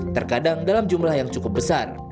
terkadang dalam jumlah yang cukup besar